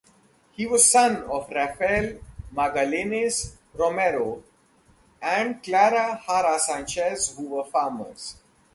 He was son of Rafael Magallanes Romero and Clara Jara Sanchez, who were farmers.